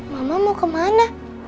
mama mau kemana